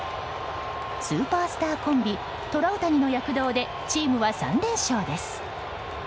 スーパースターコンビトラウタニの躍動でチームは３連勝です。